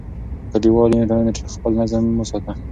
کلیوالي ټولنې خپل نظم وساته.